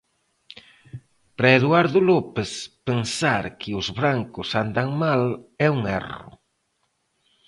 Para Eduardo López, pensar que os brancos andan mal é un erro.